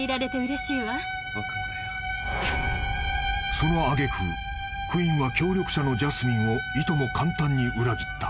［その揚げ句クインは協力者のジャスミンをいとも簡単に裏切った］